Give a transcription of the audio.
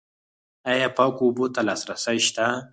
آیا پاکو اوبو ته لاسرسی شته؟